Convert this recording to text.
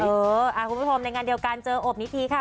คุณผู้ชมในงานเดียวกันเจออบนิธีค่ะ